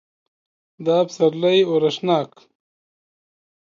دا پسرلی اورښتناک